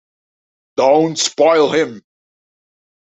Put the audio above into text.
Don't spoil him.